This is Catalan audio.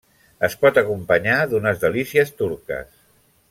Es pot acompanyar d'unes delícies turques.